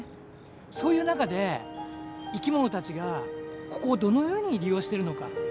そういう中で生きものたちがここをどのように利用してるのか。